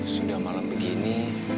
sudah malam begini